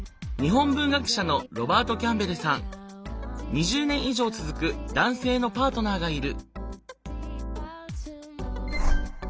２０年以上続く男性のパートナーがいる。